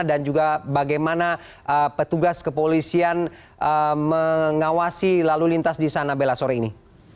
dan juga bagaimana petugas kepolisian mengawasi lalu lintas di sana bella sore ini